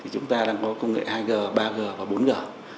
chúng ta đang có công nghệ hai g ba g và bốn g